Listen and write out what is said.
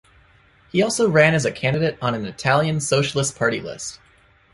He also ran as a candidate on an Italian Socialist Party list.